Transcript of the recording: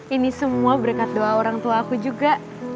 ini semua berkat doa orang tua aku juga